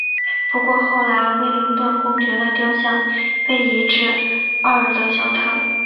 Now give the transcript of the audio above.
不过后来威灵顿公爵的雕像被移至奥尔德肖特。